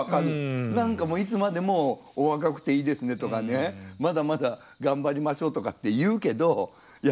何か「いつまでもお若くていいですね」とかね「まだまだ頑張りましょう」とかって言うけどいや